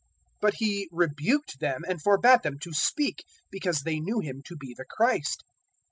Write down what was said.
But He rebuked them and forbad them to speak, because they knew Him to be the Christ.